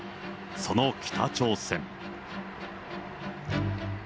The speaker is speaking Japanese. その北朝鮮。